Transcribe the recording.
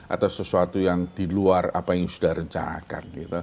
atau sesuatu yang diluar apa yang sudah rencakan